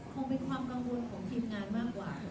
คงเป็นความกังวลของทีมงานมากกว่า